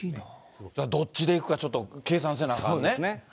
どっちで行くか、ちょっと計算せなあかんね。